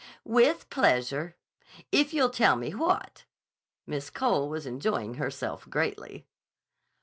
"With pleasure. If you'll tell me what." Miss Cole was enjoying herself greatly.